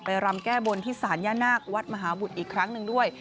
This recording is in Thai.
รำแก้บนที่ศาลย่านาควัดมหาบุตรอีกครั้งหนึ่งด้วย